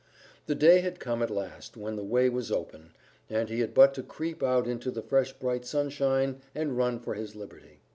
The day had come at last when the way was open, and he had but to creep out into the fresh bright sunshine and run for his liberty.